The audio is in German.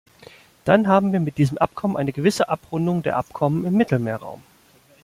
Dann haben wir mit diesem Abkommen eine gewisse Abrundung der Abkommen im Mittelmeerraum.